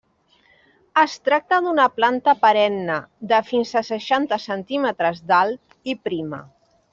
Es tracta d'una planta perenne, de fins a seixanta centímetres d'alt i prima.